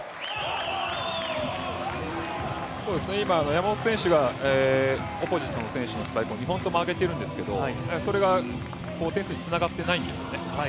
山本選手がオポジットの選手のスパイクを２本とも上げているんですけどそれが点数につながってないんですよね。